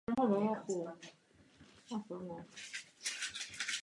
Měl přezdívku "Curt".